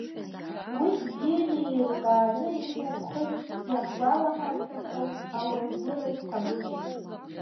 Уи бзианы иеилкааны имоуп хыхь иаҳгәалаҳаршәахьоу ауаҩ гәыраз Ҳабыџь.